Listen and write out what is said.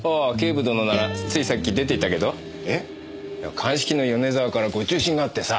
鑑識の米沢からご注進があってさ